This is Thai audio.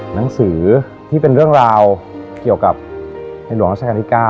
หนังสือที่เป็นเรื่องราวเกี่ยวกับในหลวงราชการที่๙